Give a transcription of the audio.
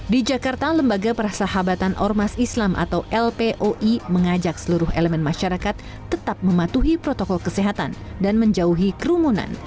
di jakarta lembaga persahabatan ormas islam atau lpoi mengajak seluruh elemen masyarakat tetap mematuhi protokol kesehatan dan menjauhi kerumunan